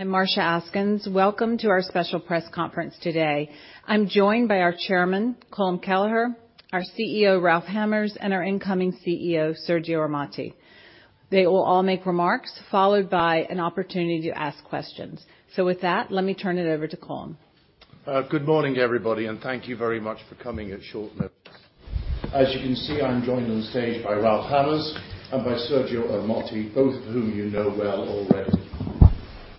I'm Marsha Askins. Welcome to our special press conference today. I'm joined by our Chairman, Colm Kelleher, our CEO, Ralph Hamers, and our incoming CEO, Sergio Ermotti. They will all make remarks, followed by an opportunity to ask questions. With that, let me turn it over to Colm. Good morning, everybody, thank you very much for coming at short notice. As you can see, I'm joined on stage by Ralph Hamers and by Sergio Ermotti, both of whom you know well already.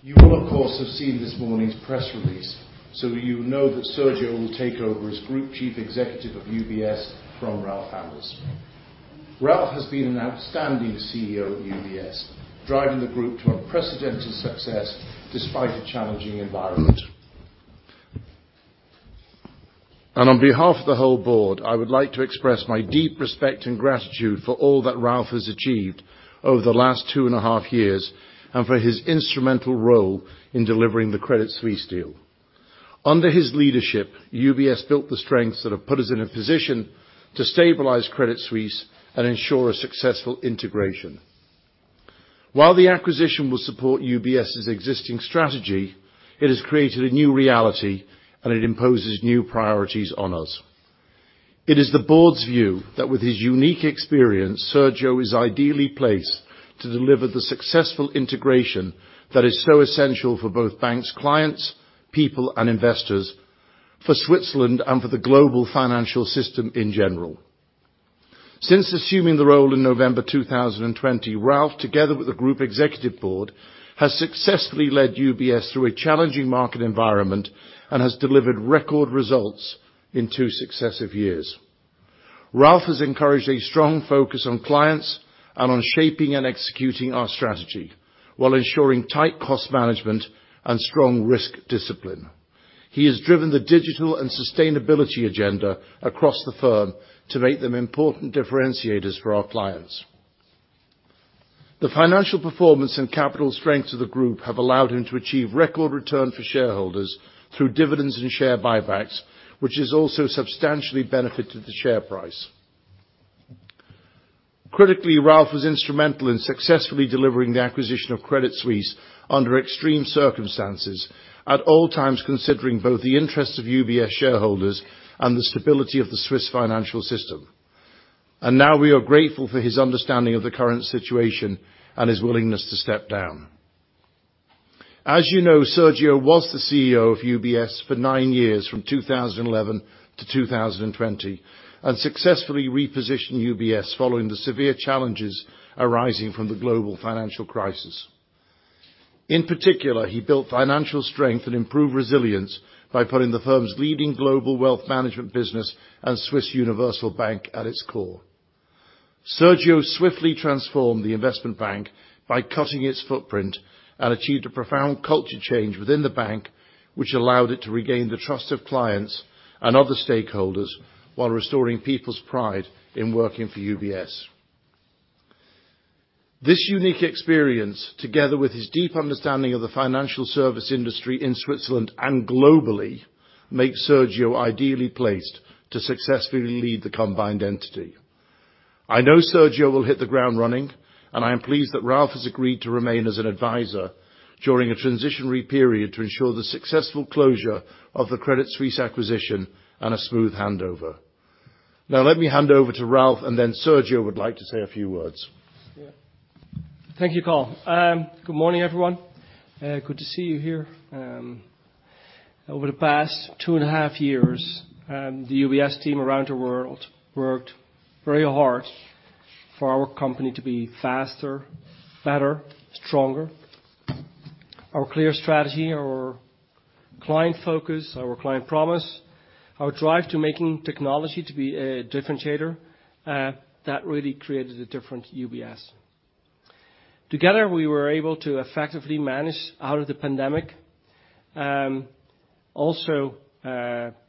You will, of course, have seen this morning's press release. You know that Sergio will take over as Group Chief Executive of UBS from Ralph Hamers. Ralph has been an outstanding CEO at UBS, driving the group to unprecedented success despite a challenging environment. On behalf of the whole board, I would like to express my deep respect and gratitude for all that Ralph has achieved over the last two and a half years, and for his instrumental role in delivering the Credit Suisse deal. Under his leadership, UBS built the strengths that have put us in a position to stabilize Credit Suisse and ensure a successful integration. While the acquisition will support UBS's existing strategy, it has created a new reality, it imposes new priorities on us. It is the board's view that with his unique experience, Sergio is ideally placed to deliver the successful integration that is so essential for both banks, clients, people and investors, for Switzerland and for the global financial system in general. Since assuming the role in November 2020, Ralph, together with the group executive board, has successfully led UBS through a challenging market environment and has delivered record results in two successive years. Ralph has encouraged a strong focus on clients and on shaping and executing our strategy while ensuring tight cost management and strong risk discipline. He has driven the digital and sustainability agenda across the firm to make them important differentiators for our clients. The financial performance and capital strength of the group have allowed him to achieve record return for shareholders through dividends and share buybacks, which has also substantially benefited the share price. Critically, Ralph was instrumental in successfully delivering the acquisition of Credit Suisse under extreme circumstances at all times, considering both the interests of UBS shareholders and the stability of the Swiss financial system. Now we are grateful for his understanding of the current situation and his willingness to step down. As you know, Sergio was the CEO of UBS for nine years, from 2011 to 2020, and successfully repositioned UBS following the severe challenges arising from the global financial crisis. In particular, he built financial strength and improved resilience by putting the firm's leading global wealth management business and Swiss universal bank at its core. Sergio swiftly transformed the investment bank by cutting its footprint and achieved a profound culture change within the bank, which allowed it to regain the trust of clients and other stakeholders while restoring people's pride in working for UBS. This unique experience, together with his deep understanding of the financial service industry in Switzerland and globally, makes Sergio ideally placed to successfully lead the combined entity. I know Sergio will hit the ground running, and I am pleased that Ralph has agreed to remain as an advisor during a transitionary period to ensure the successful closure of the Credit Suisse acquisition and a smooth handover. Let me hand over to Ralph, and then Sergio would like to say a few words. Yeah. Thank you, Colm. Good morning, everyone. Good to see you here. Over the past two and a half years, the UBS team around the world worked very hard for our company to be faster, better, stronger. Our clear strategy, our client focus, our client promise, our drive to making technology to be a differentiator, that really created a different UBS. Together, we were able to effectively manage out of the pandemic, also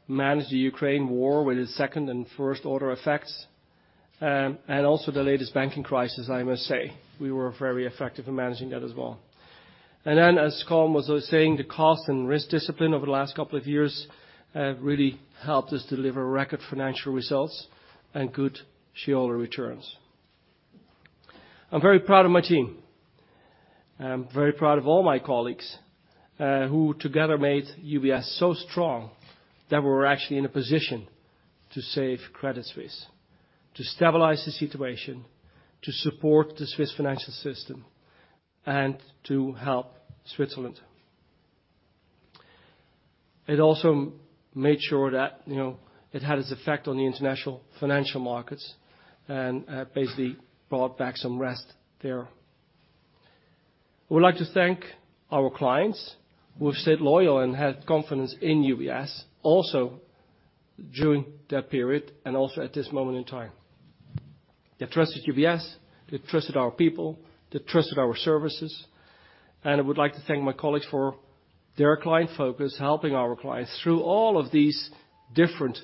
manage the Ukraine war with its second and first order effects, and also the latest banking crisis, I must say. We were very effective in managing that as well. Then, as Colm was saying, the cost and risk discipline over the last couple of years, really helped us deliver record financial results and good shareholder returns. I'm very proud of my team. I'm very proud of all my colleagues, who together made UBS so strong that we're actually in a position to save Credit Suisse, to stabilize the situation, to support the Swiss financial system and to help Switzerland. It also made sure that, you know, it had its effect on the international financial markets and, basically brought back some rest there. I would like to thank our clients who have stayed loyal and had confidence in UBS also during that period and also at this moment in time. They trusted UBS, they trusted our people, they trusted our services. I would like to thank my colleagues for their client focus, helping our clients through all of these different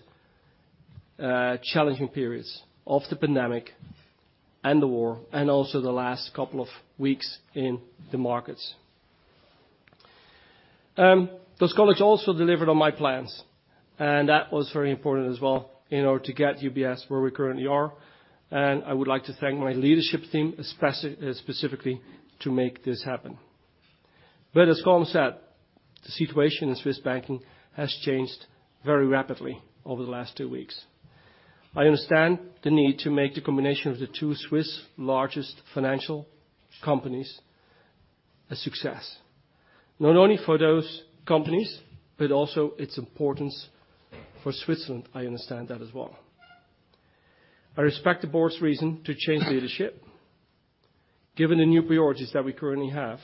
challenging periods of the pandemic and the war, and also the last couple of weeks in the markets. Those colleagues also delivered on my plans, and that was very important as well in order to get UBS where we currently are. I would like to thank my leadership team, specifically to make this happen. As Colm said, the situation in Swiss banking has changed very rapidly over the last two weeks. I understand the need to make the combination of the two Swiss largest financial companies a success, not only for those companies, but also its importance for Switzerland. I understand that as well. I respect the board's reason to change leadership, given the new priorities that we currently have,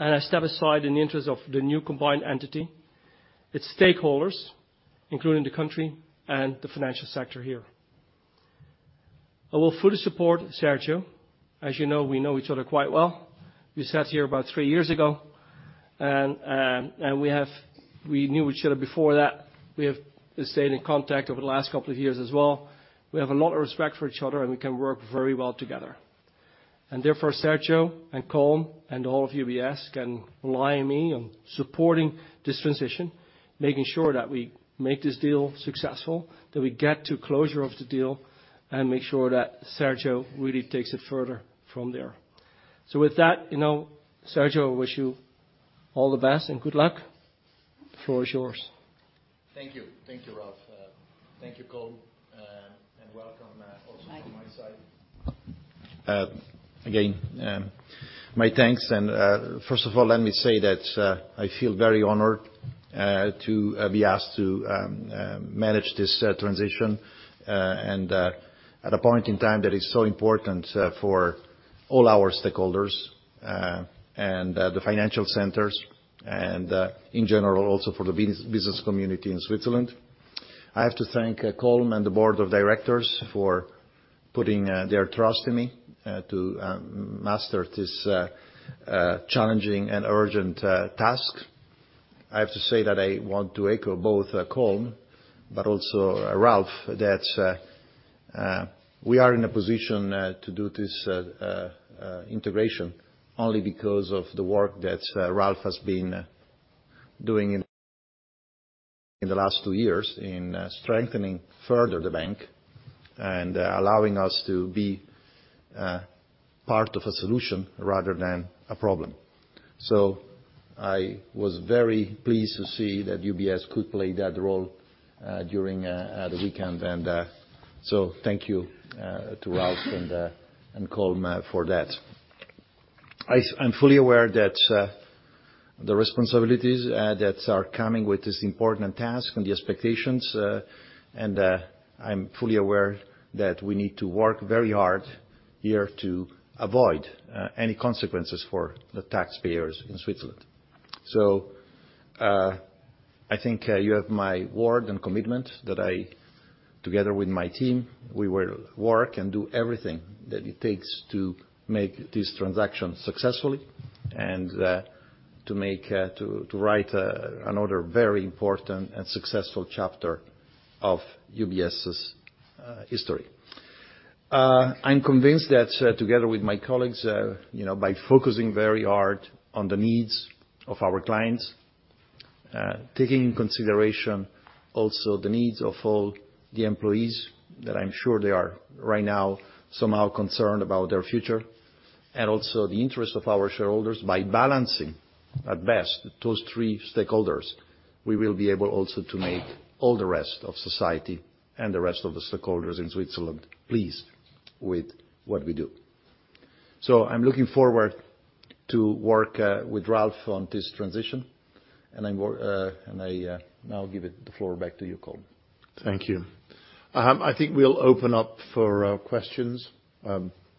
and I step aside in the interest of the new combined entity, its stakeholders, including the country and the financial sector here. I will fully support Sergio. As you know, we know each other quite well. We sat here about 3 years ago. We knew each other before that. We have stayed in contact over the last couple of years as well. We have a lot of respect for each other, and we can work very well together. Therefore, Sergio and Colm and all of UBS can rely on me on supporting this transition, making sure that we make this deal successful, that we get to closure of the deal and make sure that Sergio really takes it further from there. With that, you know, Sergio, I wish you all the best and good luck. The floor is yours. Thank you. Thank you, Ralph. Thank you, Colm, and welcome also from my side. Again, my thanks. First of all let me say that I feel very honored to be asked to manage this transition and at a point in time that is so important for all our stakeholders and the financial centers and in general, also for the business community in Switzerland. I have to thank Colm and the board of directors for putting their trust in me to master this challenging and urgent task. I have to say that I want to echo both Colm but also Ralph, that we are in a position to do this integration only because of the work that Ralph has been doing in the last two years in strengthening further the bank and allowing us to be part of a solution rather than a problem. I was very pleased to see that UBS could play that role during the weekend. Thank you to Ralph and Colm for that. I'm fully aware that the responsibilities that are coming with this important task and the expectations, and I'm fully aware that we need to work very hard here to avoid any consequences for the taxpayers in Switzerland. I think you have my word and commitment that I, together with my team, we will work and do everything that it takes to make this transaction successfully and to make to write another very important and successful chapter of UBS's history. I'm convinced that together with my colleagues, you know, by focusing very hard on the needs of our clients, taking in consideration also the needs of all the employees that I'm sure they are right now somehow concerned about their future and also the interest of our shareholders. By balancing at best those three stakeholders, we will be able also to make all the rest of society and the rest of the stakeholders in Switzerland pleased with what we do. I'm looking forward to work with Ralph on this transition. I now give it the floor back to you, Colm. Thank you. I think we'll open up for questions.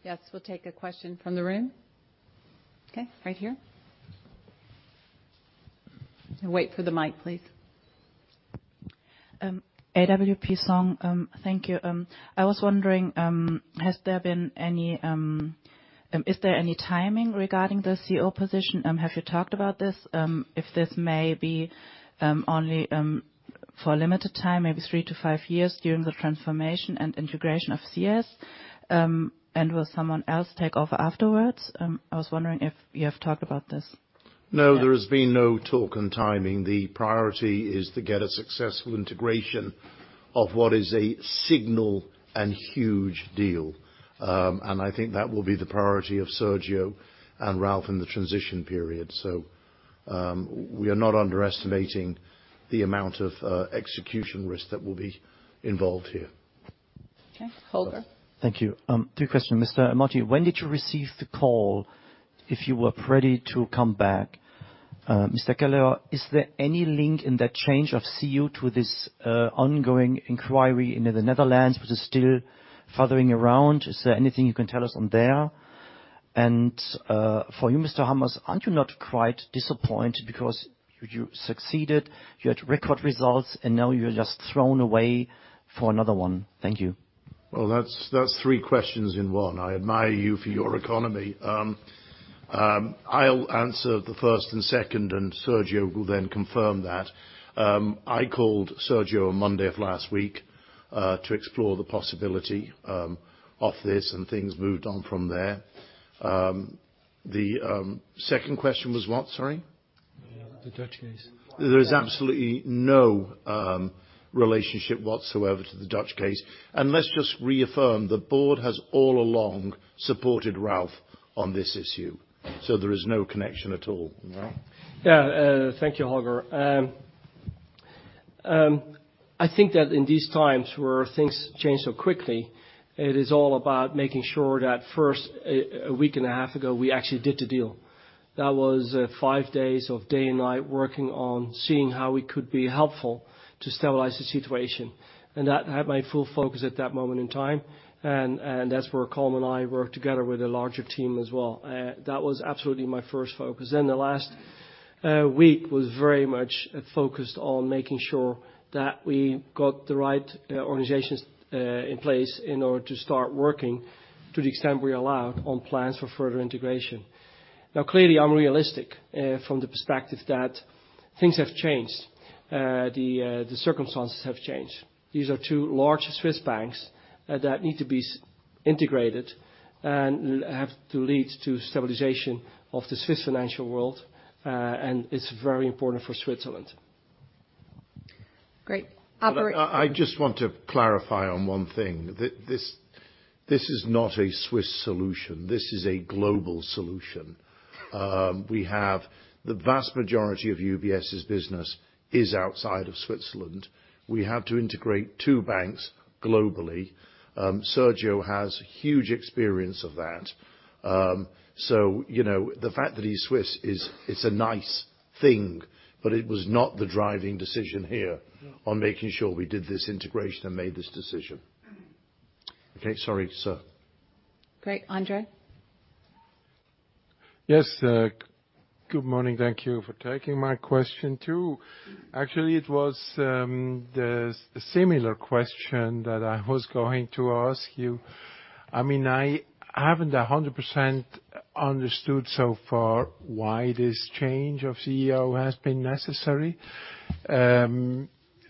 Yes, we'll take a question from the room. Okay. Right here. Wait for the mic, please. AWP Song. Thank you. I was wondering, has there been any timing regarding the CEO position? Have you talked about this? If this may be only for a limited time, maybe 3 to 5 years during the transformation and integration of CS, and will someone else take over afterwards? I was wondering if you have talked about this. No, there has been no talk on timing. The priority is to get a successful integration of what is a signal and huge deal. I think that will be the priority of Sergio and Ralph in the transition period. We are not underestimating the amount of execution risk that will be involved here. Okay. Holger. Thank you. Two question. Mr. Ermotti, when did you receive the call if you were ready to come back? Mr. Kelleher, is there any link in that change of CEO to this ongoing inquiry into the Netherlands which is still furthering around? Is there anything you can tell us on there? For you, Mr. Hamers, aren't you not quite disappointed because you succeeded, you had record results, and now you're just thrown away for another one? Thank you. Well, that's three questions in one. I admire you for your economy. I'll answer the first and second, and Sergio will then confirm that. I called Sergio on Monday of last week to explore the possibility of this, and things moved on from there. The second question was what? Sorry. The Dutch case. There is absolutely no relationship whatsoever to the Dutch case. Let's just reaffirm, the board has all along supported Ralph on this issue. There is no connection at all. Ralph? Yeah. Thank you, Holger. I think that in these times where things change so quickly, it is all about making sure that first, a week and a half ago, we actually did the deal. That was 5 days of day and night working on seeing how we could be helpful to stabilize the situation, and that had my full focus at that moment in time. That's where Colm and I worked together with a larger team as well. That was absolutely my first focus. The last week was very much focused on making sure that we got the right organizations in place in order to start working, to the extent we're allowed, on plans for further integration. Clearly, I'm realistic from the perspective that things have changed. The circumstances have changed. These are 2 large Swiss banks, that need to be integrated and have to lead to stabilization of the Swiss financial world, and it's very important for Switzerland. Great. Holger. I just want to clarify on one thing. This is not a Swiss solution. This is a global solution. We have the vast majority of UBS's business is outside of Switzerland. We have to integrate two banks globally. Sergio has huge experience of that. You know, the fact that he's Swiss is, it's a nice thing, but it was not the driving decision here. No... on making sure we did this integration and made this decision. Okay. Sorry. Sir. Great. Andrey? Yes. Good morning. Thank you for taking my question, too. Actually, it was the similar question that I was going to ask you. I mean, I haven't 100% understood so far why this change of CEO has been necessary. To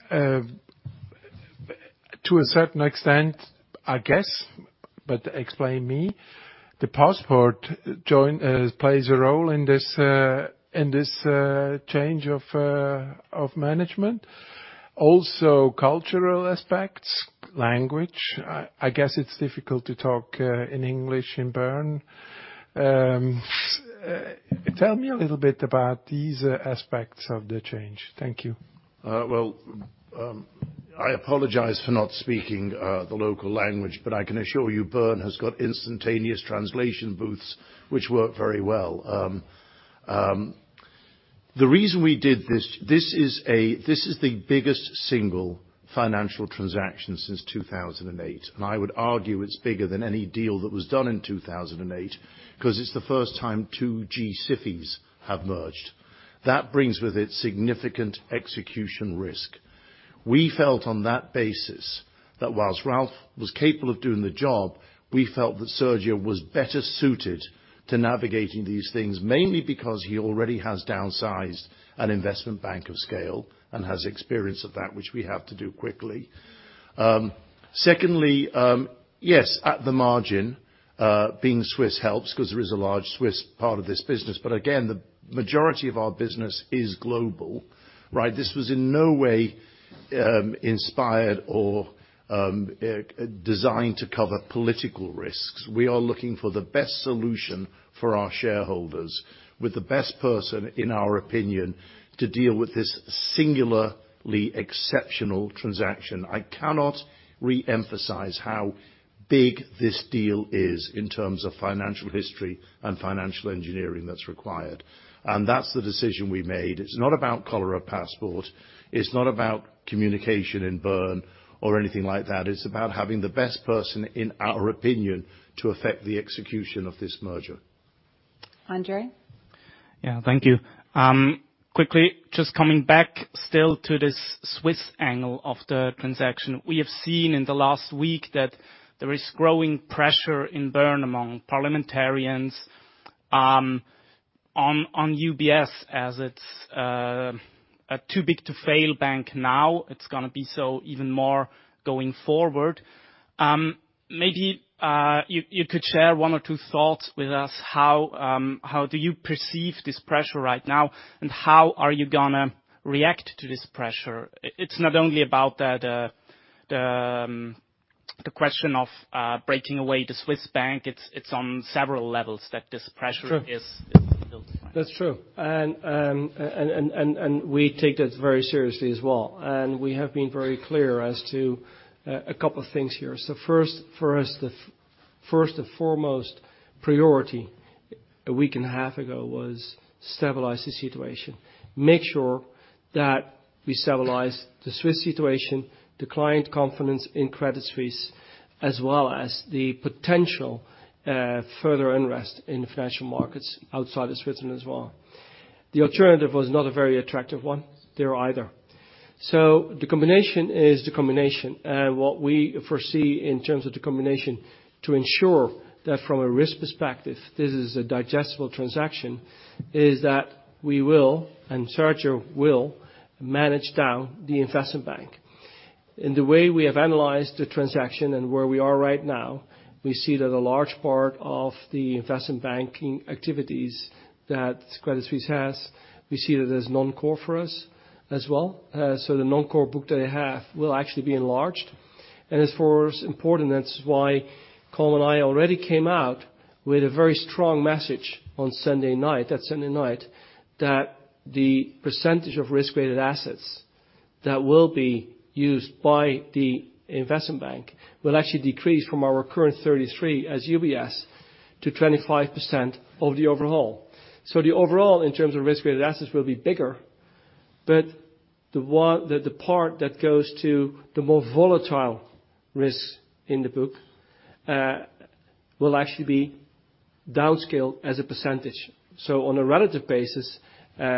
a certain extent, I guess, explain me, the passport join plays a role in this change of management. Also cultural aspects, language. I guess it's difficult to talk in English in Bern. Tell me a little bit about these aspects of the change. Thank you. Well, I apologize for not speaking the local language, but I can assure you Bern has got instantaneous translation booths, which work very well. The reason we did this is the biggest single financial transaction since 2008. I would argue it's bigger than any deal that was done in 2008, 'cause it's the first time two G-SIFIs have merged. That brings with it significant execution risk. We felt on that basis that whilst Ralph was capable of doing the job, we felt that Sergio was better suited to navigating these things, mainly because he already has downsized an investment bank of scale and has experience of that, which we have to do quickly. Secondly, yes, at the margin, being Swiss helps 'cause there is a large Swiss part of this business. Again, the majority of our business is global, right? This was in no way inspired or designed to cover political risks. We are looking for the best solution for our shareholders with the best person, in our opinion, to deal with this singularly exceptional transaction. I cannot reemphasize how big this deal is in terms of financial history and financial engineering that's required. That's the decision we made. It's not about color of passport, it's not about communication in Bern or anything like that. It's about having the best person, in our opinion, to effect the execution of this merger. Andre? Yeah. Thank you. Quickly, just coming back still to this Swiss angle of the transaction. We have seen in the last week that there is growing pressure in Bern among parliamentarians, on UBS as it's a too-big-to-fail bank now. It's gonna be so even more going forward. Maybe you could share one or two thoughts with us. How do you perceive this pressure right now, and how are you gonna react to this pressure? It's not only about the question of breaking away the Swiss bank. It's on several levels that this pressure... Sure is built upon. That's true. We take that very seriously as well. We have been very clear as to a couple of things here. First, for us, the first and foremost priority a week and a half ago was stabilize the situation. Make sure that we stabilize the Swiss situation, the client confidence in Credit Suisse, as well as the potential further unrest in the financial markets outside of Switzerland as well. The alternative was not a very attractive one there either. The combination is the combination. What we foresee in terms of the combination to ensure that from a risk perspective, this is a digestible transaction, is that we will, and Sergio will, manage down the investment bank. In the way we have analyzed the transaction and where we are right now, we see that a large part of the investment banking activities that Credit Suisse has, we see it as non-core for us as well. So the non-core book that I have will actually be enlarged. As far as important, that's why Colm and I already came out with a very strong message on Sunday night, that the percentage of risk-weighted assets that will be used by the investment bank will actually decrease from our current 33 as UBS to 25% of the overall. The overall, in terms of risk-weighted assets, will be bigger, but the part that goes to the more volatile risk in the book will actually be downscaled as a %. On a relative basis,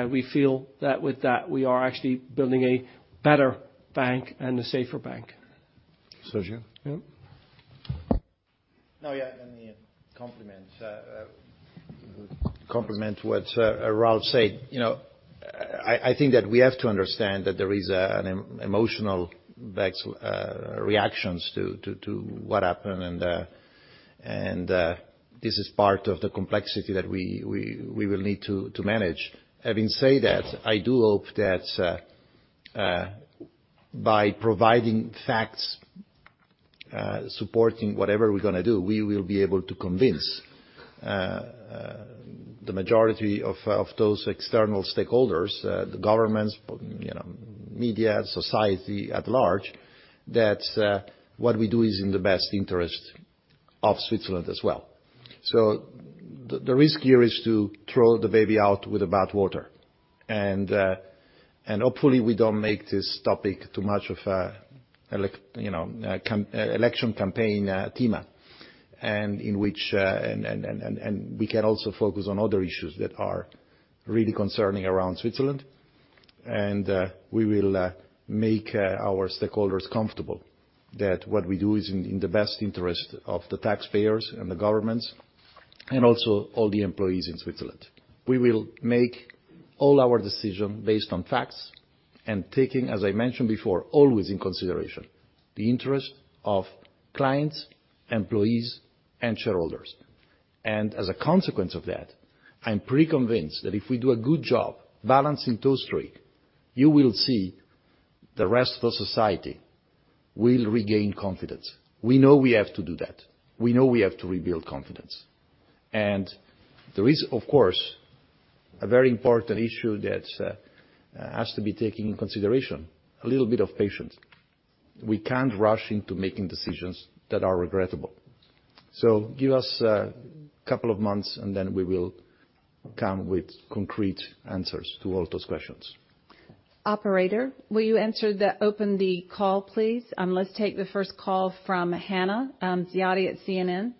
we feel that with that, we are actually building a better bank and a safer bank. Sergio? No, yeah. Let me compliment what Ralph said. You know, I think that we have to understand that there is an emotional reactions to what happened. This is part of the complexity that we will need to manage. Having said that, I do hope that by providing facts, supporting whatever we're gonna do, we will be able to convince the majority of those external stakeholders, the governments, you know, media, society at large, that what we do is in the best interest of Switzerland as well. The risk here is to throw the baby out with the bath water. Hopefully we don't make this topic too much of a election campaign theme. In which, and we can also focus on other issues that are really concerning around Switzerland. We will make our stakeholders comfortable that what we do is in the best interest of the taxpayers and the governments and also all the employees in Switzerland. We will make all our decision based on facts and taking, as I mentioned before, always in consideration the interest of clients, employees, and shareholders. As a consequence of that, I'm pretty convinced that if we do a good job balancing those three, you will see the rest of society will regain confidence. We know we have to do that. We know we have to rebuild confidence. There is, of course, a very important issue that has to be taken in consideration. A little bit of patience. We can't rush into making decisions that are regrettable. Give us, couple of months, and then we will come with concrete answers to all those questions. Operator, Open the call, please. Let's take the first call from Hannah Ziyadeh at CNN.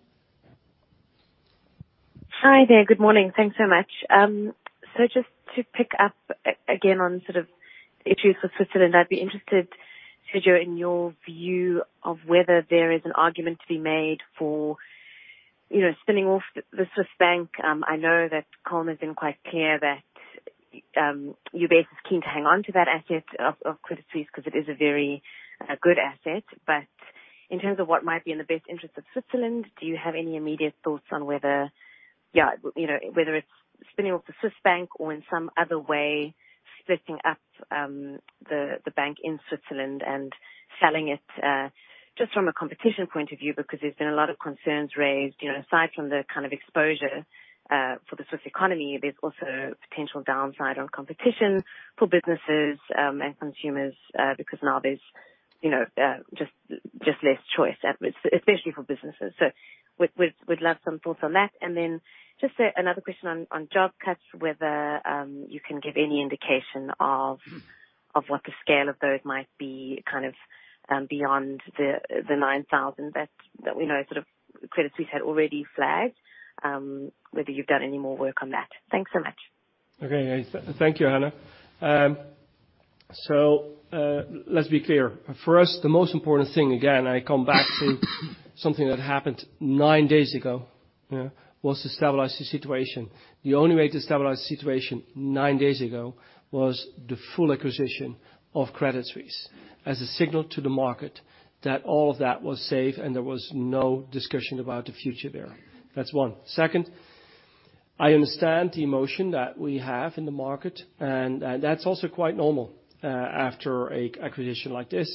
Hi there. Good morning. Thanks so much. Just to pick up again on sort of issues for Switzerland, I'd be interested to hear in your view of whether there is an argument to be made for, you know, spinning off the Swiss bank. I know that Colm has been quite clear that UBS is keen to hang on to that asset of Credit Suisse because it is a very good asset. In terms of what might be in the best interest of Switzerland, do you have any immediate thoughts on whether, yeah, you know, whether it's spinning off the Swiss bank or in some other way splitting up the bank in Switzerland and selling it just from a competition point of view? There's been a lot of concerns raised, you know, aside from the kind of exposure for the Swiss economy, there's also potential downside on competition for businesses and consumers, because now there's, you know, just less choice. Especially for businesses. We'd love some thoughts on that. Just another question on job cuts, whether you can give any indication of what the scale of those might be, kind of, beyond the 9,000 that we know sort of Credit Suisse had already flagged, whether you've done any more work on that. Thanks so much. Thank you, Hannah. Let's be clear. For us, the most important thing, again, I come back to something that happened nine days ago, you know, was to stabilize the situation. The only way to stabilize the situation nine days ago was the full acquisition of Credit Suisse as a signal to the market that all of that was safe and there was no discussion about the future there. That's one. Second, I understand the emotion that we have in the market, and that's also quite normal after a acquisition like this.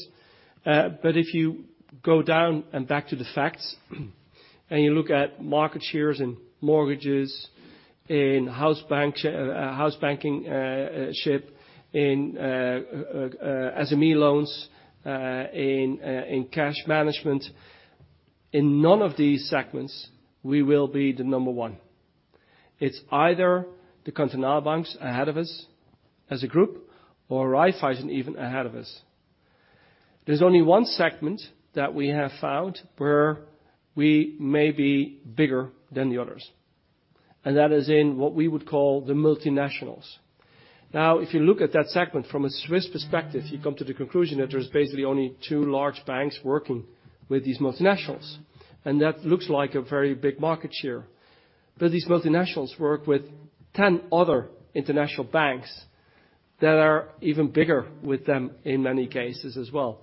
If you go down and back to the facts, and you look at market shares in mortgages, in house banking, in SME loans, in cash management, in none of these segments, we will be the number one. It's either the Cantonal banks ahead of us as a group or Raiffeisen even ahead of us. There's only one segment that we have found where we may be bigger than the others, and that is in what we would call the multinationals. If you look at that segment from a Swiss perspective, you come to the conclusion that there's basically only two large banks working with these multinationals, and that looks like a very big market share. These multinationals work with 10 other international banks that are even bigger with them in many cases as well.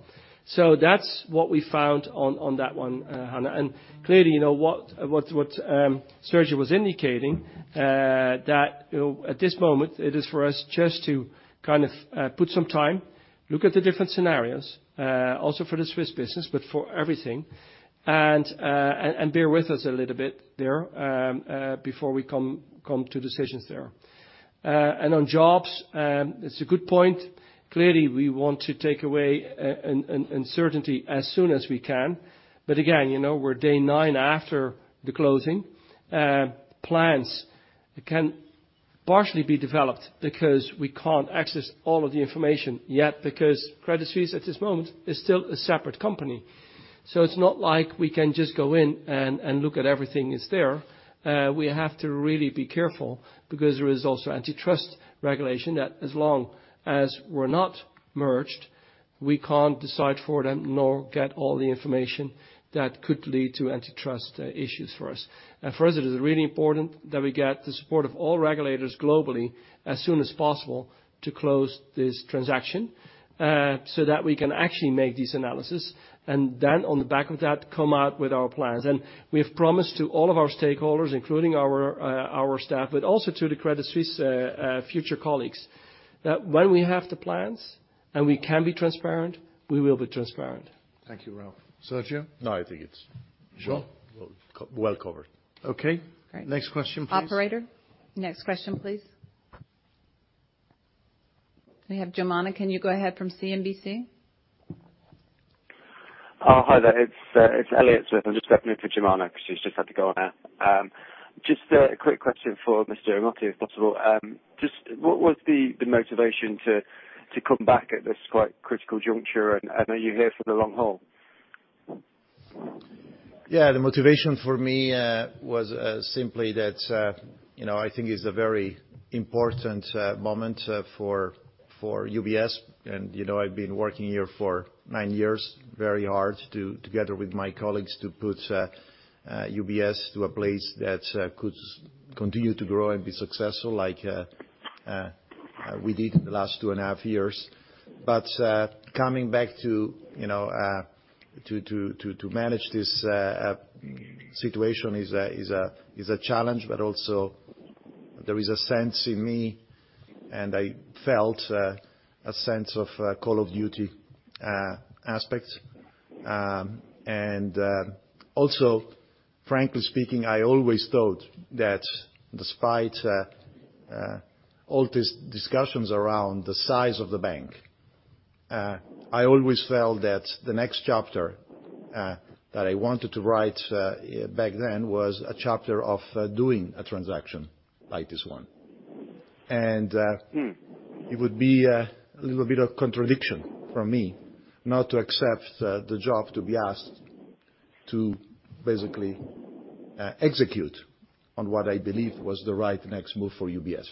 That's what we found on that one, Hannah. Clearly, you know, what Sergio was indicating, that, at this moment it is for us just to kind of put some time, look at the different scenarios, also for the Swiss business, but for everything. Bear with us a little bit there before we come to decisions there. On jobs, it's a good point. Clearly, we want to take away an uncertainty as soon as we can. Again, you know, we're day 9 after the closing. Plans can partially be developed because we can't access all of the information yet, because Credit Suisse at this moment is still a separate company. It's not like we can just go in and look at everything is there. We have to really be careful because there is also antitrust regulation that as long as we're not merged, we can't decide for them nor get all the information that could lead to antitrust issues for us. For us, it is really important that we get the support of all regulators globally as soon as possible to close this transaction, so that we can actually make this analysis, and then on the back of that, come out with our plans. We have promised to all of our stakeholders, including our staff, but also to the Credit Suisse future colleagues, that when we have the plans and we can be transparent, we will be transparent. Thank you, Ralph. Sergio? No, I think. Sure. Well, well covered. Okay. Great. Next question, please. Operator, next question, please. We have Jumana. Can you go ahead from CNBC? Oh, hi there. It's Elliot. I'm just stepping in for Jumana 'cause she's just had to go now. Just a quick question for Mr. Ermotti, if possible. Just what was the motivation to come back at this quite critical juncture, and are you here for the long haul? Yeah. The motivation for me was simply that, you know, I think it's a very important moment for UBS. You know, I've been working here for nine years, very hard together with my colleagues to put UBS to a place that could continue to grow and be successful like we did the last two and a half years. Coming back to, you know, to manage this situation is a challenge, but also there is a sense in me, and I felt a sense of call of duty aspects. Also, frankly speaking, I always thought that despite all these discussions around the size of the bank, I always felt that the next chapter that I wanted to write back then was a chapter of doing a transaction like this one. It would be a little bit of contradiction from me not to accept the job to be asked to basically execute on what I believe was the right next move for UBS.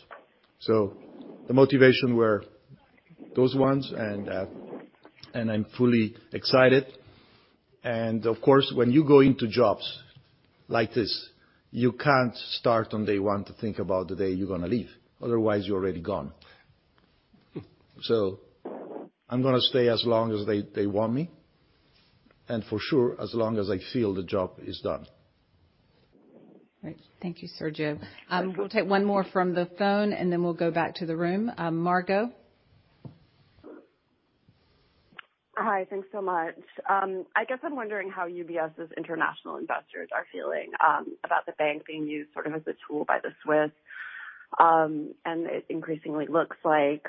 The motivation were those ones and I'm fully excited. Of course, when you go into jobs like this, you can't start on day one to think about the day you're gonna leave. Otherwise, you're already gone. I'm gonna stay as long as they want me, and for sure, as long as I feel the job is done. Great. Thank you, Sergio. We'll take one more from the phone, and then we'll go back to the room. Margot? Hi. Thanks so much. I guess I'm wondering how UBS's international investors are feeling about the bank being used sort of as a tool by the Swiss. It increasingly looks like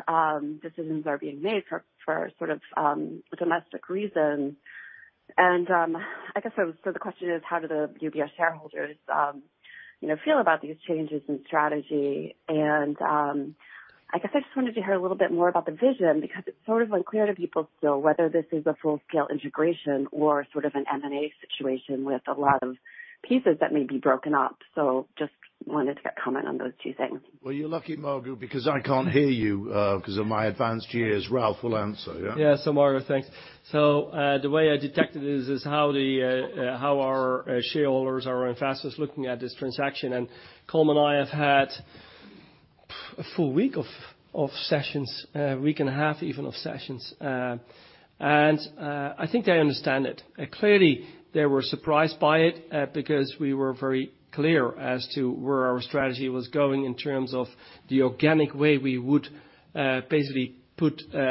decisions are being made for sort of domestic reasons. I guess so the question is, how do the UBS shareholders, you know, feel about these changes in strategy? I guess I just wanted to hear a little bit more about the vision because it's sort of unclear to people still whether this is a full-scale integration or sort of an M&A situation with a lot of pieces that may be broken up. Just wanted to get comment on those two things. You're lucky, Margot, because I can't hear you, because of my advanced years. Ralph will answer, yeah? Yeah. Margot, thanks. The way I detected is how our shareholders, our investors looking at this transaction. Colm and I have had a full week of sessions, a week and a half even of sessions. I think they understand it. Clearly, they were surprised by it because we were very clear as to where our strategy was going in terms of the organic way we would basically put the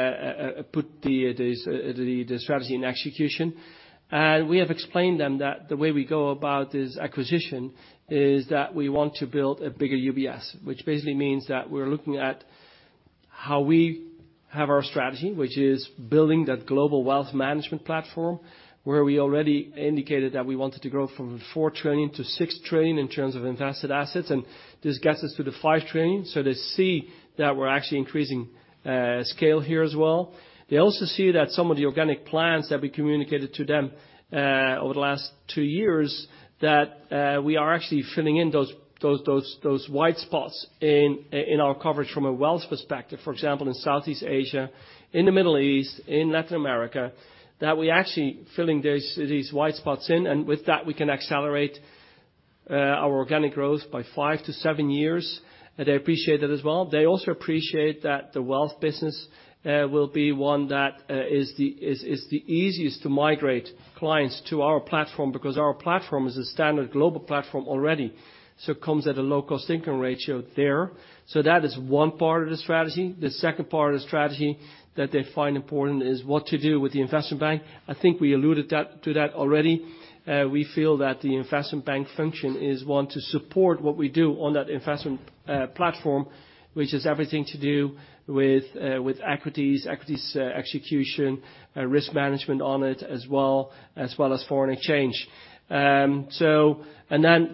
strategy in execution. We have explained them that the way we go about this acquisition is that we want to build a bigger UBS, which basically means that we're looking at how we have our strategy, which is building that global wealth management platform, where we already indicated that we wanted to grow from $4 trillion to $6 trillion in terms of invested assets, and this gets us to the $5 trillion. They see that we're actually increasing scale here as well. They also see that some of the organic plans that we communicated to them, over the last two years, that we are actually filling in those white spots in our coverage from a wealth perspective, for example, in Southeast Asia, in the Middle East, in Latin America, that we're actually filling these white spots in, and with that, we can accelerate our organic growth by five to seven years, and they appreciate that as well. They also appreciate that the wealth business will be one that is the easiest to migrate clients to our platform because our platform is a standard global platform already, so comes at a low cost-income ratio there. That is one part of the strategy. The second part of the strategy that they find important is what to do with the investment bank. I think we alluded to that already. We feel that the investment bank function is one to support what we do on that investment platform, which has everything to do with equities execution, risk management on it as well, as well as foreign exchange. Then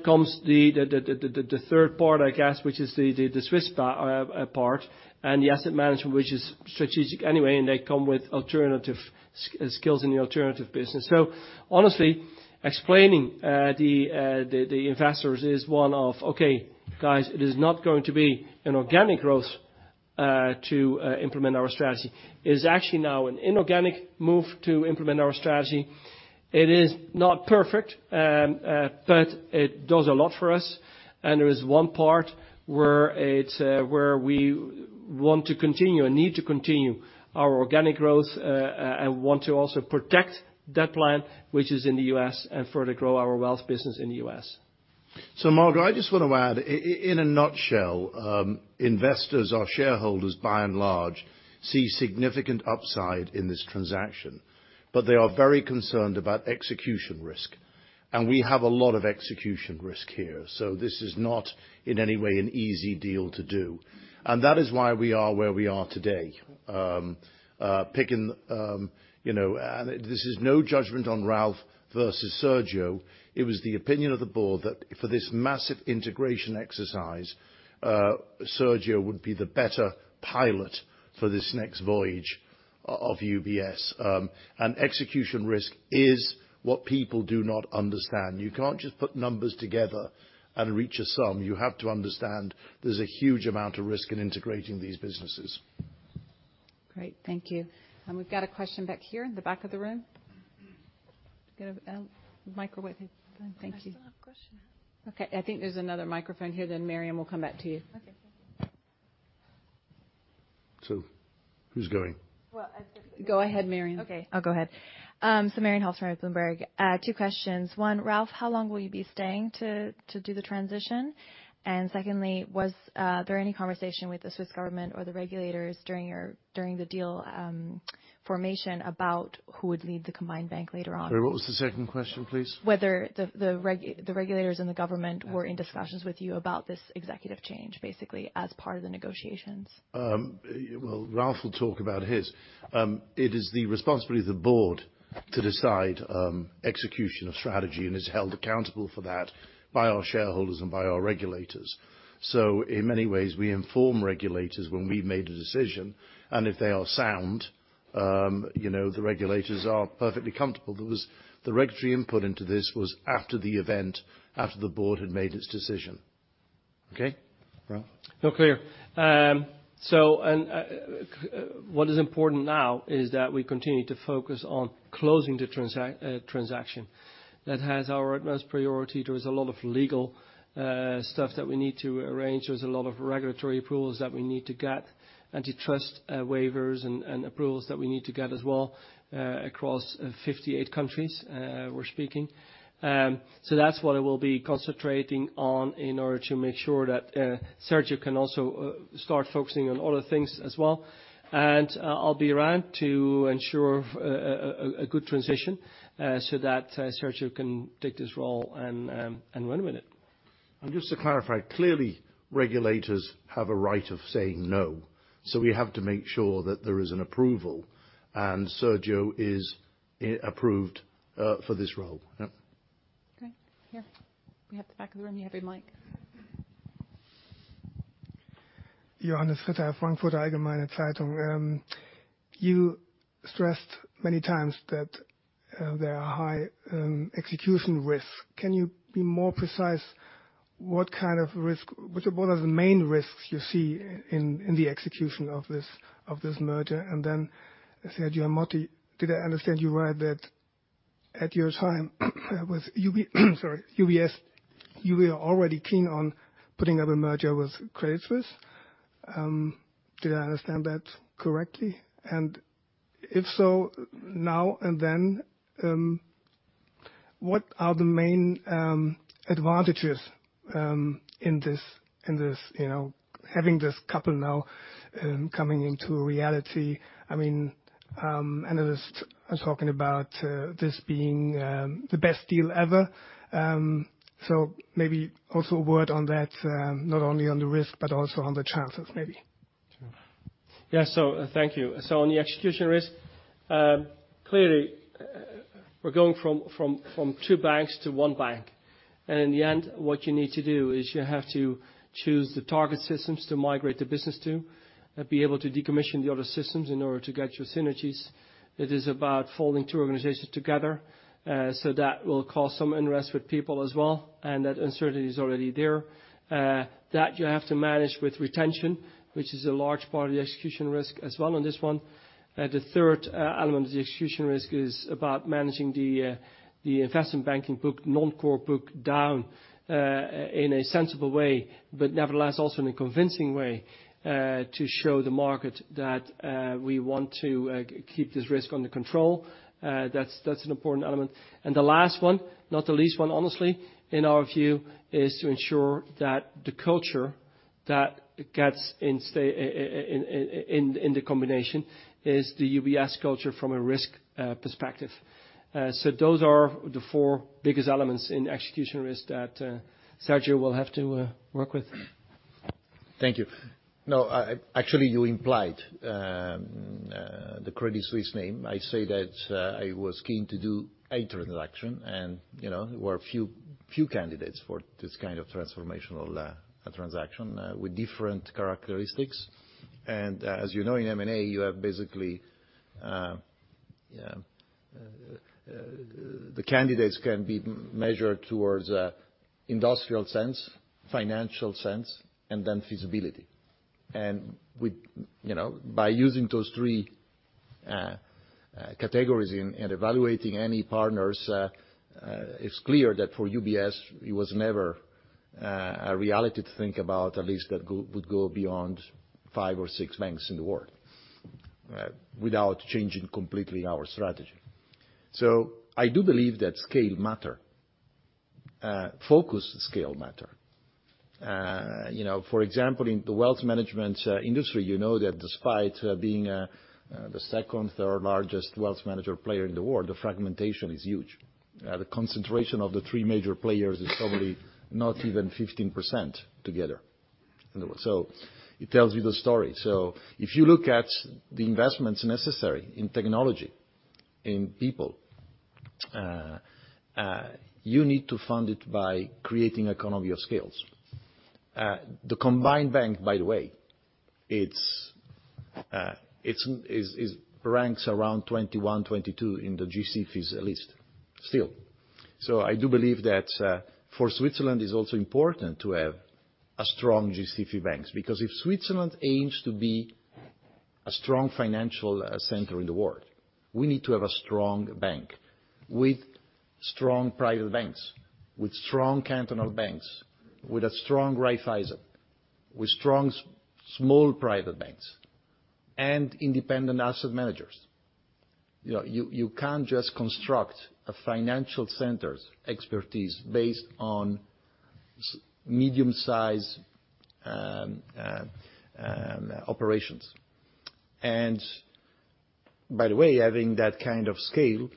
comes the third part I guess, which is the Swiss part, and the asset management, which is strategic anyway, and they come with alternative skills in the alternative business. Honestly, explaining the investors is one of, okay, guys, it is not going to be an organic growth to implement our strategy. It is actually now an inorganic move to implement our strategy. It is not perfect, but it does a lot for us. There is one part where it, where we want to continue and need to continue our organic growth, and want to also protect that plan, which is in the US, and further grow our wealth business in the US. Margot, I just want to add, in a nutshell, investors or shareholders by and large see significant upside in this transaction, but they are very concerned about execution risk. We have a lot of execution risk here, so this is not in any way an easy deal to do, and that is why we are where we are today. Picking, you know. This is no judgment on Ralph versus Sergio. It was the opinion of the board that for this massive integration exercise, Sergio would be the better pilot for this next voyage of UBS. Execution risk is what people do not understand. You can't just put numbers together and reach a sum. You have to understand there's a huge amount of risk in integrating these businesses. Great. Thank you. We've got a question back here in the back of the room. Get a microphone. Thank you. I still have a question. Okay. I think there's another microphone here, then Marion, we'll come back to you. Okay. Thank you. Who's going? Well. Go ahead, Marion. Okay. I'll go ahead. Marion Halftermeyer from Bloomberg. Two questions. One, Ralph, how long will you be staying to do the transition? Secondly, was there any conversation with the Swiss government or the regulators during the deal formation about who would lead the combined bank later on? What was the second question, please? Whether the regulators and the government were in discussions with you about this executive change, basically, as part of the negotiations. Well, Ralph will talk about his. It is the responsibility of the board to decide execution of strategy and is held accountable for that by our shareholders and by our regulators. In many ways, we inform regulators when we've made a decision, and if they are sound, you know, the regulators are perfectly comfortable. The regulatory input into this was after the event, after the board had made its decision. Okay. Ralph. No, clear. What is important now is that we continue to focus on closing the transaction. That has our utmost priority. There is a lot of legal stuff that we need to arrange. There's a lot of regulatory approvals that we need to get, antitrust waivers and approvals that we need to get as well, across 58 countries we're speaking. That's what I will be concentrating on in order to make sure that Sergio can also start focusing on other things as well. I'll be around to ensure a good transition so that Sergio can take this role and run with it. Just to clarify, clearly, regulators have a right of saying no, so we have to make sure that there is an approval, and Sergio is approved for this role. Yeah. Okay. Here. We have the back of the room. You have a mic. You stressed many times that there are high execution risks. Can you be more precise what kind of risk? What are the main risks you see in the execution of this merger? Then, Sergio P. Ermotti, did I understand you right that at your time with UBS, you were already keen on putting up a merger with Credit Suisse? Did I understand that correctly? If so, now and then, what are the main advantages in this, you know, having this couple now coming into reality? I mean, analysts are talking about this being the best deal ever. Maybe also a word on that, not only on the risk, but also on the chances maybe. Yeah. Thank you. On the execution risk, clearly we're going from 2 banks to 1 bank. In the end, what you need to do is you have to choose the target systems to migrate the business to, be able to decommission the other systems in order to get your synergies. It is about folding 2 organizations together, that will cause some unrest with people as well, and that uncertainty is already there. That you have to manage with retention, which is a large part of the execution risk as well on this one. The third element of the execution risk is about managing the investment banking book, non-core book down in a sensible way, but nevertheless, also in a convincing way to show the market that we want to keep this risk under control. That's an important element. The last one, not the least one, honestly, in our view, is to ensure that the culture in the combination is the UBS culture from a risk perspective. Those are the four biggest elements in execution risk that Sergio will have to work with. Thank you. No, I, actually, you implied the Credit Suisse name. I say that I was keen to do a transaction and, you know, there were few candidates for this kind of transformational transaction with different characteristics. As you know, in M&A, you have basically the candidates can be measured towards industrial sense, financial sense, and then feasibility. With, you know, by using those three categories in evaluating any partners, it's clear that for UBS it was never a reality to think about a list that would go beyond five or six banks in the world without changing completely our strategy. I do believe that scale matter. Focus scale matter. You know, for example, in the wealth management industry, you know that despite being the second, third largest wealth manager player in the world, the fragmentation is huge. The concentration of the three major players is probably not even 15% together. It tells you the story. If you look at the investments necessary in technology, in people, you need to fund it by creating economy of scales. The combined bank, by the way, it ranks around 21, 22 in the G-SIBs list still. I do believe that for Switzerland is also important to have a strong G-SIB banks, because if Switzerland aims to be a strong financial center in the world, we need to have a strong bank with strong private banks, with strong cantonal banks, with a strong Raiffeisen, with strong small private banks and independent asset managers. You know, you can't just construct a financial center's expertise based on medium-size operations. By the way, having that kind of scale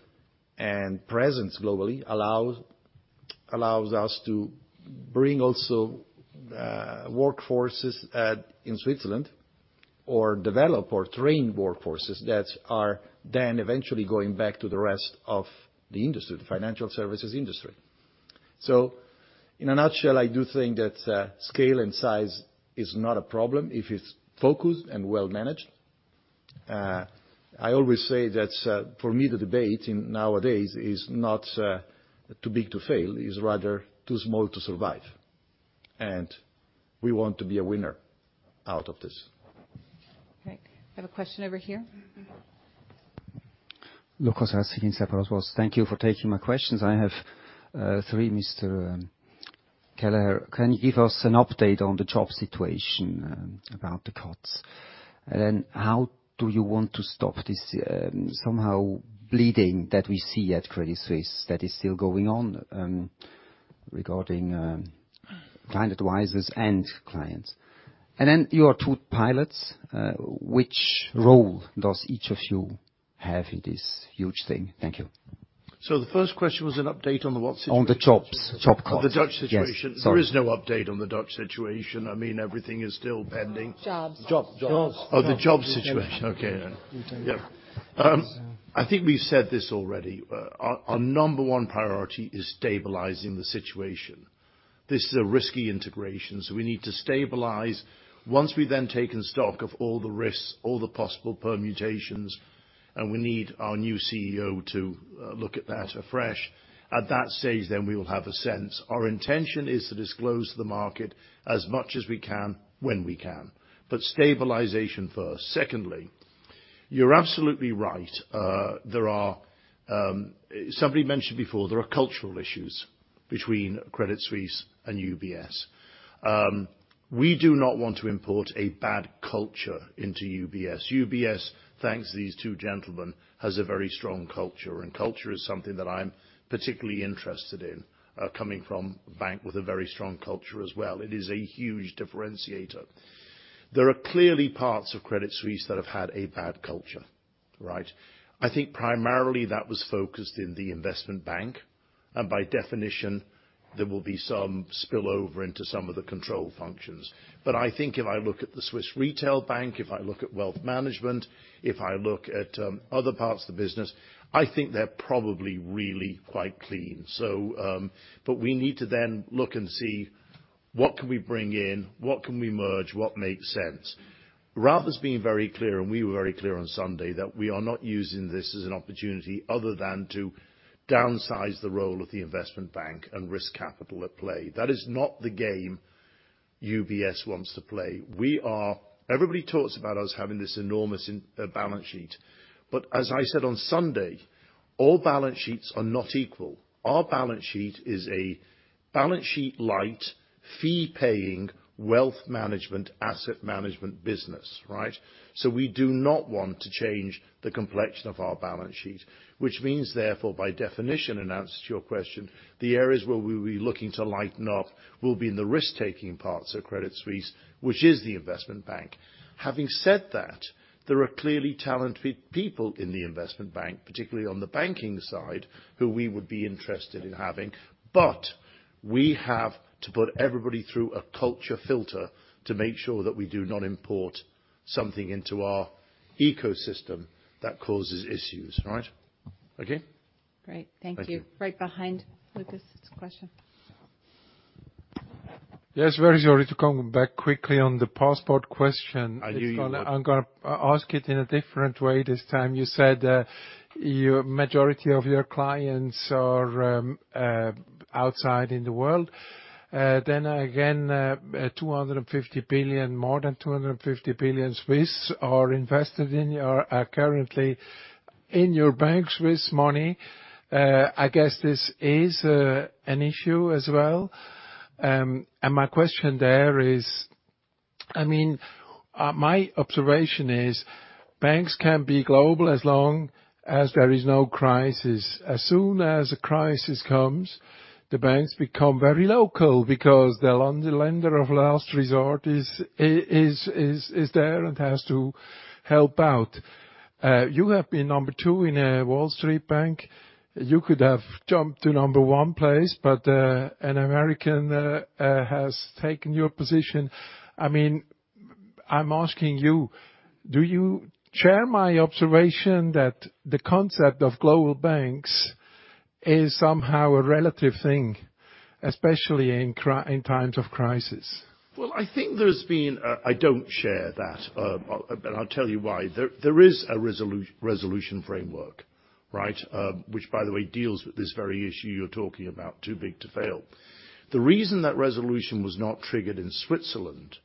and presence globally allows us to bring also workforces in Switzerland or develop or train workforces that are then eventually going back to the rest of the industry, the financial services industry. In a nutshell, I do think that scale and size is not a problem if it's focused and well managed. I always say that, for me, the debate in nowadays is not too big to fail, is rather too small to survive. We want to be a winner out of this. Okay. I have a question over here. Lucas. Thank you for taking my questions. I have three, Mr. Kelleher. Can you give us an update on the job situation about the cuts? How do you want to stop this somehow bleeding that we see at Credit Suisse that is still going on regarding client advisors and clients? Your two pilots, which role does each of you have in this huge thing? Thank you. The first question was an update on the what situation? On the jobs. Job cuts. Oh, the job situation. Yes. Sorry. There is no update on the job situation. I mean, everything is still pending. Jobs. Jobs. The job situation. Okay. Yeah. I think we've said this already. Our number one priority is stabilizing the situation. This is a risky integration. We need to stabilize. Once we've then taken stock of all the risks, all the possible permutations, and we need our new CEO to look at that afresh. At that stage, we will have a sense. Our intention is to disclose to the market as much as we can when we can. Stabilization first. Secondly, you're absolutely right. There are. Somebody mentioned before, there are cultural issues between Credit Suisse and UBS. We do not want to import a bad culture into UBS. UBS, thanks to these two gentlemen, has a very strong culture, and culture is something that I'm particularly interested in, coming from a bank with a very strong culture as well. It is a huge differentiator. There are clearly parts of Credit Suisse that have had a bad culture, right? I think primarily that was focused in the investment bank, and by definition, there will be some spillover into some of the control functions. I think if I look at the UBS Switzerland AG, if I look at wealth management, if I look at other parts of the business, I think they're probably really quite clean. We need to then look and see what can we bring in, what can we merge, what makes sense. Ralph is being very clear, and we were very clear on Sunday that we are not using this as an opportunity other than to downsize the role of the investment bank and risk capital at play. That is not the game UBS wants to play. Everybody talks about us having this enormous balance sheet, but as I said on Sunday, all balance sheets are not equal. Our balance sheet is a balance sheet light, fee-paying, wealth management, asset management business, right? We do not want to change the complexion of our balance sheet. Which means therefore by definition in answer to your question, the areas where we will be looking to lighten up will be in the risk-taking parts of Credit Suisse, which is the investment bank. Having said that, there are clearly talented people in the investment bank, particularly on the banking side, who we would be interested in having. We have to put everybody through a culture filter to make sure that we do not import something into our ecosystem that causes issues, right? Okay. Great. Thank you. Thank you. Right behind Lucas, question. Yes, very sorry. To come back quickly on the passport question. I knew you would. I'm gonna ask it in a different way this time. You said, your majority of your clients are outside in the world. Then again, more than 250 billion are currently in your bank Swiss money. I guess this is an issue as well. And my question there is, I mean, my observation is banks can be global as long as there is no crisis. As soon as a crisis comes, the banks become very local because the lender of last resort is there and has to help out. You have been number two in a Wall Street bank. You could have jumped to number one place, but an American has taken your position. I mean, I'm asking you, do you share my observation that the concept of global banks is somehow a relative thing, especially in times of crisis? Well, I think there's been I don't share that, and I'll tell you why. There is a resolution framework, right? Which by the way deals with this very issue you're talking about, too big to fail. The reason that resolution was not triggered in Switzerland,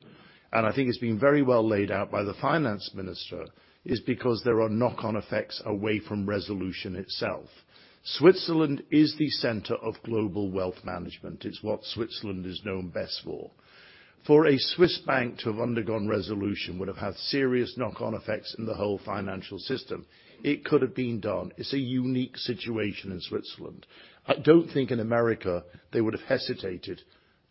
I think it's been very well laid out by the finance minister, is because there are knock-on effects away from resolution itself. Switzerland is the center of global wealth management. It's what Switzerland is known best for. For a Swiss bank to have undergone resolution would have had serious knock-on effects in the whole financial system. It could have been done. It's a unique situation in Switzerland. I don't think in America they would have hesitated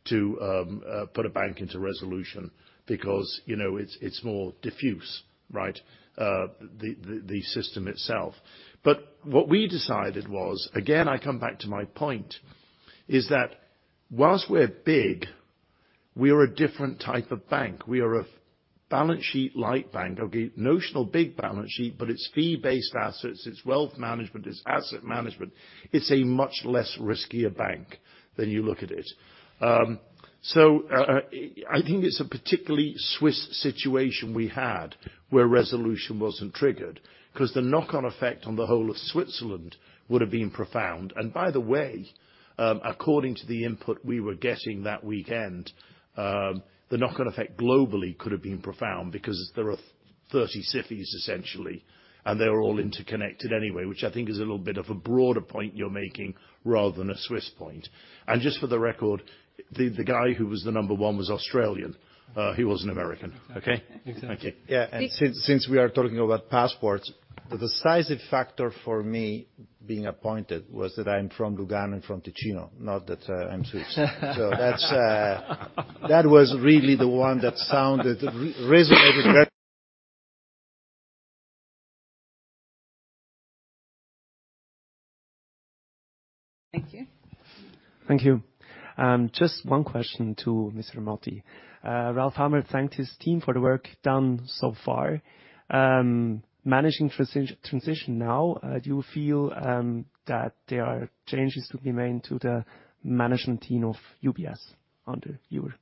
to put a bank into resolution because, you know, it's more diffuse, right? The system itself. What we decided was, again, I come back to my point, is that whilst we're big, we're a different type of bank. We are a balance sheet light bank. Okay, notional big balance sheet, but it's fee-based assets, it's wealth management, it's asset management. It's a much less riskier bank than you look at it. So, I think it's a particularly Swiss situation we had, where resolution wasn't triggered. 'Cause the knock-on effect on the whole of Switzerland would have been profound. By the way, according to the input we were getting that weekend, the knock-on effect globally could have been profound because there are 30 cities essentially, and they're all interconnected anyway, which I think is a little bit of a broader point you're making rather than a Swiss point. Just for the record, the guy who was the number one was Australian. He wasn't American. Okay? Thank you. Exactly. Thank you. Yeah. Since we are talking about passports, the decisive factor for me being appointed was that I'm from Lugano and from Ticino, not that I'm Swiss. That's that was really the one that sounded resonated better. Thank you. Thank you. Just one question to Mr. Ermotti. Ralph Hamers thanked his team for the work done so far. Managing transition now, do you feel that there are changes to be made to the management team of UBS under you?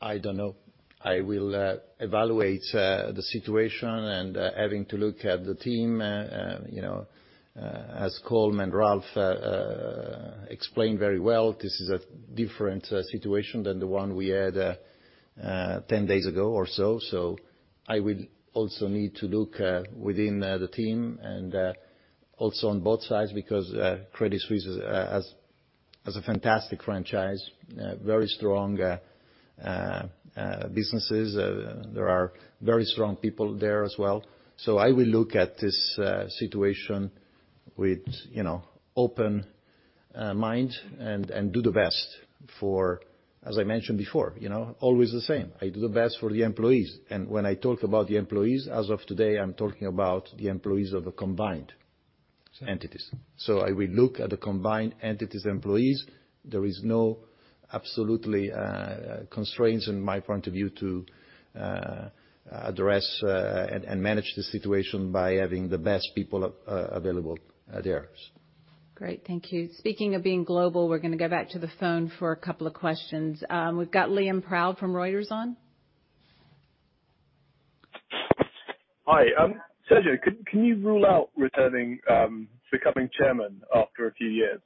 I don't know. I will evaluate the situation and having to look at the team. You know, as Colm and Ralph explained very well, this is a different situation than the one we had 10 days ago or so. I will also need to look within the team and also on both sides because Credit Suisse has a fantastic franchise, very strong businesses. There are very strong people there as well. I will look at this situation with, you know, open mind and do the best for, as I mentioned before, you know, always the same. I do the best for the employees. When I talk about the employees, as of today, I'm talking about the employees of the combined entities. I will look at the combined entities employees. There is no absolutely constraints in my point of view to address and manage the situation by having the best people available there. Great. Thank you. Speaking of being global, we're gonna go back to the phone for a couple of questions. We've got Liam Proud from Reuters on. Hi. Sergio, can you rule out returning, becoming chairman after a few years?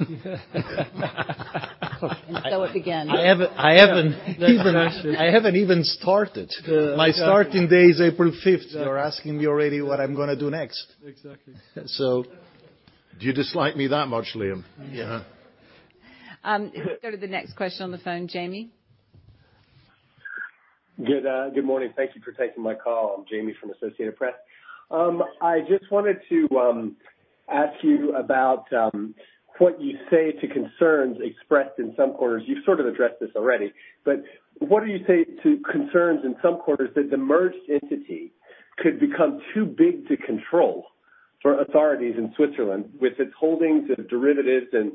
It begins. I haven't. That's actually. I haven't even started. The- My starting date is April fifth. You're asking me already what I'm gonna do next. Exactly. So. Do you dislike me that much, Liam? Yeah. Let's go to the next question on the phone. Jamie? Good morning. Thank you for taking my call. I'm Jamie from Associated Press. I just wanted to ask you about what you say to concerns expressed in some quarters. You've sort of addressed this already, but what do you say to concerns in some quarters that the merged entity could become too big to control for authorities in Switzerland with its holdings and derivatives and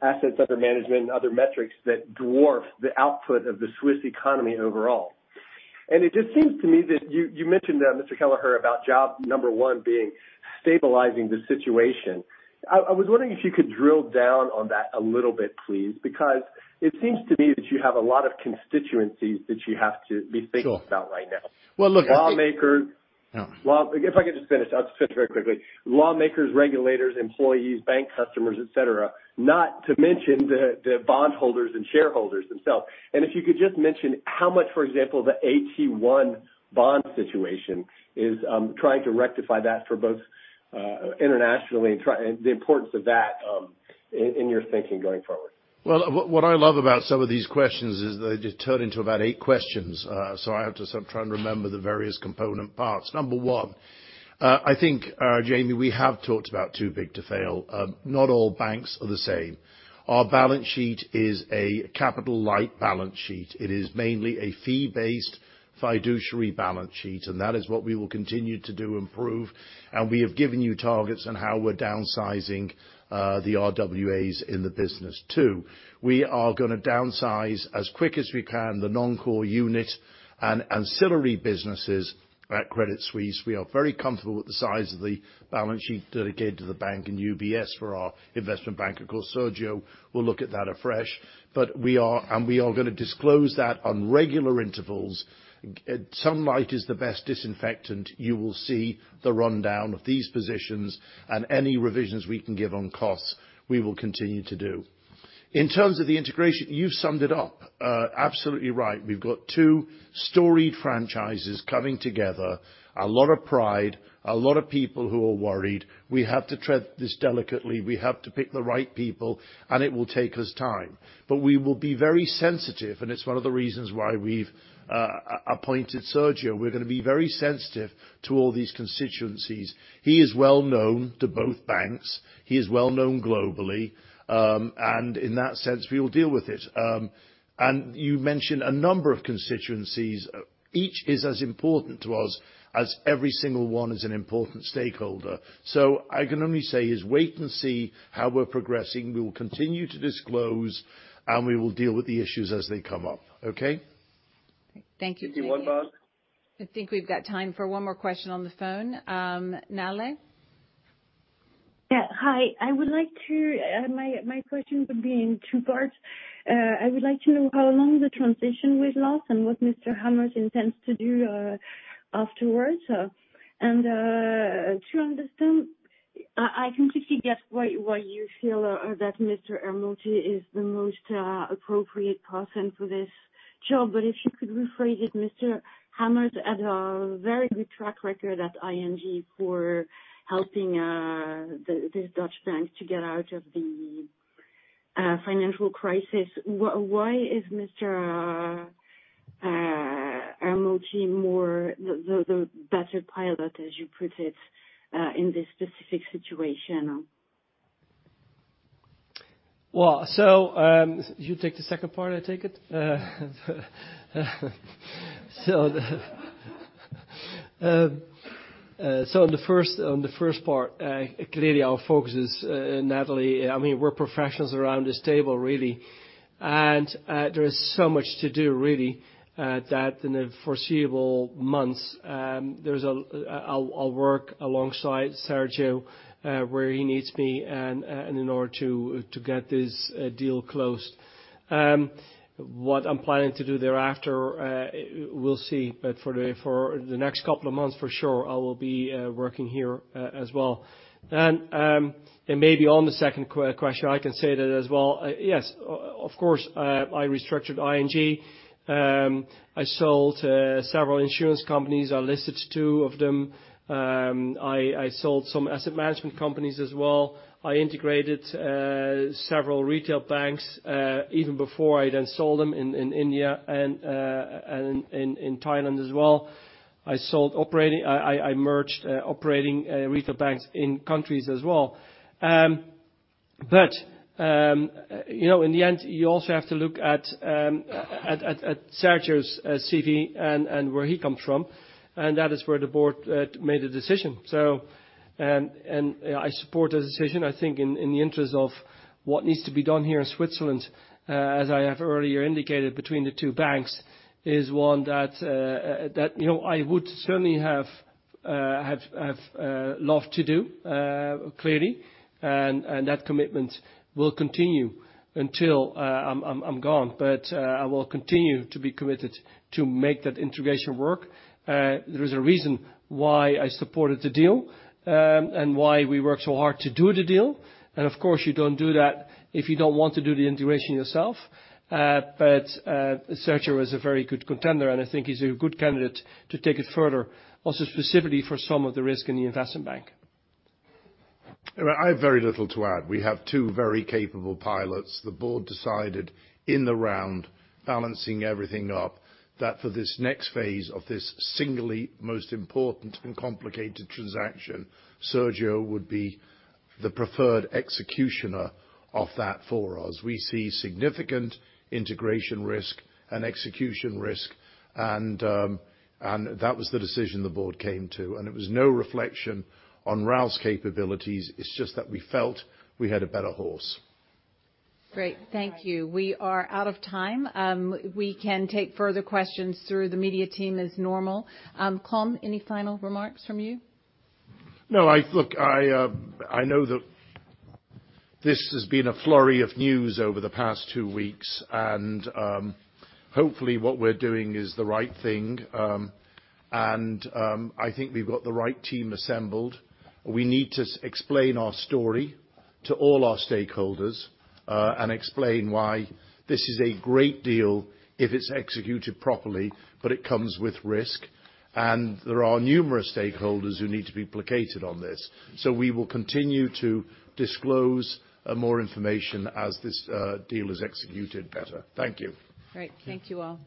assets under management and other metrics that dwarf the output of the Swiss economy overall? It just seems to me that you mentioned Mr. Kelleher, about job number one being stabilizing the situation. I was wondering if you could drill down on that a little bit please, because it seems to me that you have a lot of constituencies that you have to be thinking- Sure ...about right now. Well. Lawmakers. No. If I could just finish. I'll just finish very quickly. Lawmakers, regulators, employees, bank customers, et cetera, not to mention the bondholders and shareholders themselves. If you could just mention how much, for example, the AT1 bond situation is trying to rectify that for both internationally and the importance of that in your thinking going forward. Well, what I love about some of these questions is they just turn into about eight questions. I have to sort of try and remember the various component parts. Number one, I think, Jamie, we have talked about too big to fail. Not all banks are the same. Our balance sheet is a capital light balance sheet. It is mainly a fee-based fiduciary balance sheet, and that is what we will continue to do, improve. We have given you targets on how we're downsizing the RWAs in the business. Two, we are gonna downsize as quick as we can the non-core unit and ancillary businesses at Credit Suisse. We are very comfortable with the size of the balance sheet dedicated to the bank and UBS for our investment bank. Of course, Sergio will look at that afresh. We are gonna disclose that on regular intervals. Sunlight is the best disinfectant. You will see the rundown of these positions and any revisions we can give on costs, we will continue to do. In terms of the integration, you've summed it up, absolutely right. We've got two storied franchises coming together, a lot of pride, a lot of people who are worried. We have to tread this delicately. We have to pick the right people, it will take us time. We will be very sensitive, it's one of the reasons why we've appointed Sergio. We're gonna be very sensitive to all these constituencies. He is well-known to both banks. He is well-known globally. In that sense, we will deal with it. You mentioned a number of constituencies. Each is as important to us as every single one is an important stakeholder. I can only say is wait and see how we're progressing. We will continue to disclose, and we will deal with the issues as they come up. Okay? Thank you. AT1 bond. I think we've got time for one more question on the phone. Nathalie? Yeah, hi. I would like my question would be in two parts. I would like to know how long the transition with Ralph and what Mr. Hamers intends to do afterwards. To understand, I can typically guess why you feel that Mr. Ermotti is the most appropriate person for this job. If you could rephrase it, Mr. Hamers had a very good track record at ING for helping this Dutch bank to get out of the financial crisis. Why is Mr. Ermotti more the better pilot, as you put it, in this specific situation? You take the second part I take it? On the first, on the first part, clearly our focus is Nathalie, I mean, we're professionals around this table, really. There is so much to do really that in the foreseeable months, I'll work alongside Sergio where he needs me and in order to get this deal closed. What I'm planning to do thereafter, we'll see. For the next couple of months, for sure, I will be working here as well. Maybe on the second question, I can say that as well. Yes, of course, I restructured ING. I sold several insurance companies. I listed two of them. I sold some asset management companies as well. I integrated, several retail banks, even before I then sold them in India and in Thailand as well. I merged, operating, retail banks in countries as well. You know, in the end, you also have to look at Sergio's CV and where he comes from, and that is where the board made a decision. I support the decision, I think, in the interest of what needs to be done here in Switzerland, as I have earlier indicated, between the two banks, is one that, you know, I would certainly have loved to do, clearly. That commitment will continue until I'm gone. I will continue to be committed to make that integration work. There is a reason why I supported the deal and why we worked so hard to do the deal. Of course, you don't do that if you don't want to do the integration yourself. Sergio is a very good contender, and I think he's a good candidate to take it further, also specifically for some of the risk in the investment bank. I have very little to add. We have two very capable pilots. The board decided in the round, balancing everything up, that for this next phase of this singly most important and complicated transaction, Sergio would be the preferred executioner of that for us. We see significant integration risk and execution risk, and that was the decision the board came to. It was no reflection on Ralph's capabilities. It's just that we felt we had a better horse. Great. Thank you. We are out of time. We can take further questions through the media team as normal. Colm, any final remarks from you? No, I... Look, I know that this has been a flurry of news over the past two weeks, and hopefully what we're doing is the right thing. I think we've got the right team assembled. We need to explain our story to all our stakeholders and explain why this is a great deal if it's executed properly, but it comes with risk. There are numerous stakeholders who need to be placated on this. We will continue to disclose more information as this deal is executed better. Thank you. Great. Thank you all.